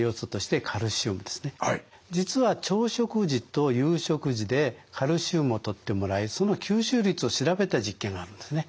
実は朝食時と夕食時でカルシウムをとってもらいその吸収率を調べた実験があるんですね。